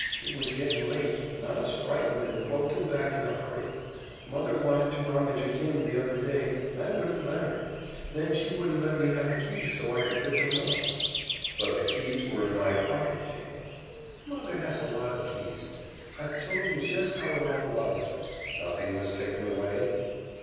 It was gettin' late, and I was frightened and poked 'em back in a hurry. Mother wanted to rummage ag'in the other day and I wouldn't let her; then, she wouldn't let me have the keys so I could fix 'em up." "But the keys were in my pocket, Jane." "Mother has a lot of keys. I've told you jes' how it all was." "Nothing was taken away?"